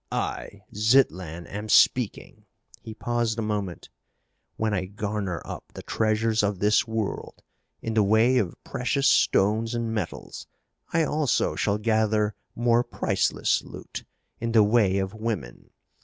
"I, Zitlan, am speaking." He paused a moment. "When I garner up the treasures of this world in the way of precious stones and metals I also shall gather more priceless loot in the way of women.